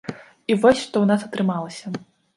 І вось, што ў нас атрымалася.